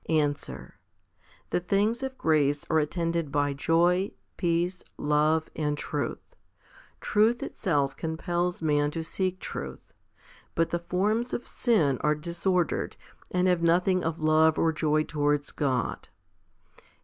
Answer. The things of grace are attended by joy, peace, love, and truth. Truth itself compels man to seek truth. But the forms of sin are disordered, and have nothing of love or joy towards God.